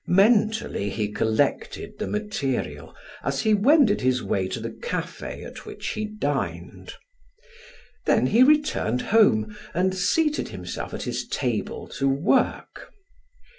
Mentally he collected the material as he wended his way to the cafe at which he dined. Then he returned home and seated himself at his table to work.